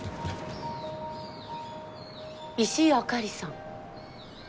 石井あかりさん。